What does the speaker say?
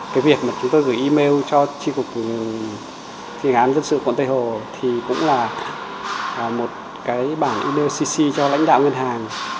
cái việc mà chúng tôi gửi email cho tri cục thi hành án dân sự quận tây hồ thì cũng là một cái bảng indonesia cho lãnh đạo ngân hàng